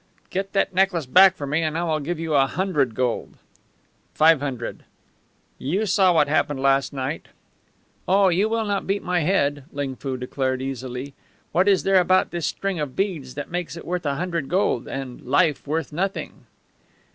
"Get that necklace back for me and I will give you a hundred gold." "Five hundred." "You saw what happened last night." "Oh, you will not beat in my head," Ling Foo declared, easily. "What is there about this string of beads that makes it worth a hundred gold and life worth nothing?"